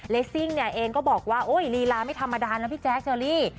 ซิ่งเนี่ยเองก็บอกว่าโอ๊ยลีลาไม่ธรรมดานะพี่แจ๊คเชอรี่